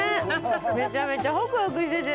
めちゃめちゃホクホクしてて。